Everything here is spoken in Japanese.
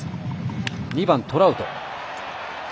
２番、トラウト。